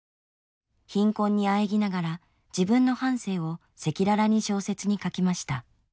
貧困にあえぎながら自分の半生を赤裸々に小説に書きました。